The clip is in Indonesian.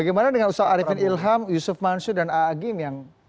bagaimana dengan ustadz arifin ilham yusuf mansur dan a'agim yang